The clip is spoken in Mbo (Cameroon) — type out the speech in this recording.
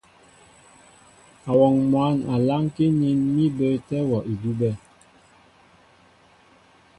Awɔŋ mwǎn a lánkí nín mí bəətɛ́ wɔ́ idʉ́bɛ́.